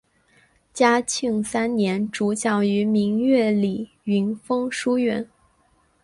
嘉庆三年主讲于明月里云峰书院。